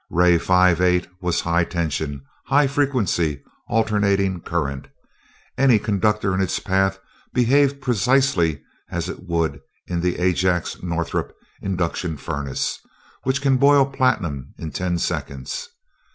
Ray five eight was high tension, high frequency alternating current. Any conductor in its path behaved precisely as it would in the Ajax Northrup induction furnace, which can boil platinum in ten seconds!